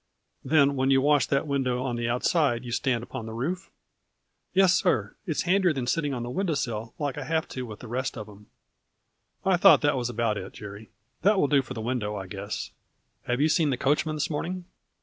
" Then when you wash that window on the outside you stand upon the roof ?"" Yes, sir, it's handier than sitting on the window sill, like I have to with the rest of them." " I thought that was about it, Jerry. That will do for the window, I guess. Have you seen the coachman this morning